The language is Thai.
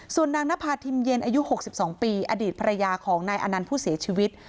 ส่วนนางนภาพิมเย็นอายุ๖๒ปีอดีตภรรยาของนายอนันต์ผู้เสียชีวิต